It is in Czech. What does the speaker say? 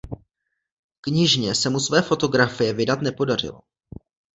Knižně se mu své fotografie vydat nepodařilo.